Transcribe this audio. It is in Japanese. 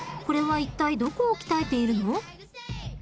これはいったいどこを鍛えているの？］